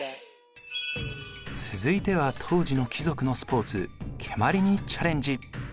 続いては当時の貴族のスポーツ蹴鞠にチャレンジ。